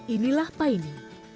inilah pak ini